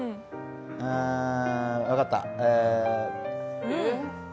ああ分かった。